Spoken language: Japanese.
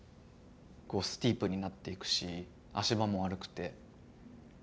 こうスティープになっていくし足場も悪くて。